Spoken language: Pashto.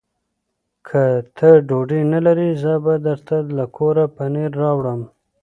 که ته ډوډۍ نه لرې، زه به درته له کوره پنېر راوړم.